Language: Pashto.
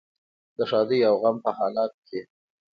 د ښادۍ او غم په حالاتو کې.